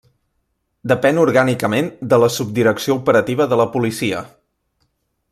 Depèn orgànicament de la Subdirecció Operativa de la Policia.